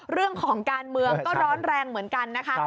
เรื่องของการเมืองก็ร้อนแรงเหมือนกันนะคะ